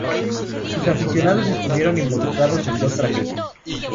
Sus aficionados estuvieron involucrados en dos tragedias.